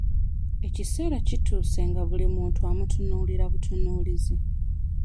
Ekiseera kituuse nga buli muntu amutunuulira butunuulizi.